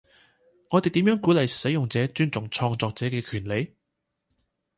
我哋點樣鼓勵使用者尊重創作者嘅權利？